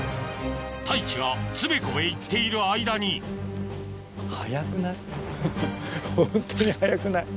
太一がつべこべ言っている間にホントに速くない？